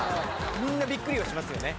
みんなびっくりはしますよね。